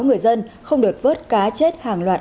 người dân không được vớt cá chết hàng loạt